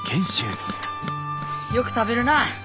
よく食べるなあ。